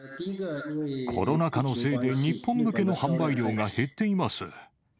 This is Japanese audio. コロナ禍のせいで日本向けの販売量が減っています。